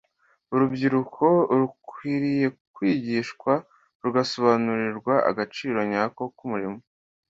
Urubyiruko rukwiriye kwigishwa rugasobanukirwa agaciro nyako k’umurimo.